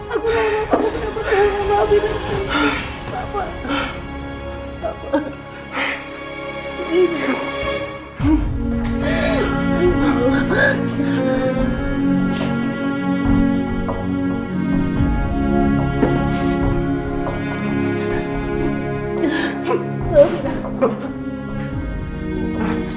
aku lupa lupa kenapa terlalu lama abis